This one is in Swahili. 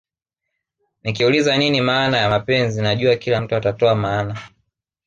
Nikiuliza nini maana ya mapenzi najua kila mtu atatoa maana